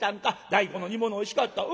大根の煮物おいしかった。